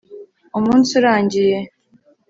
umunsi urangiye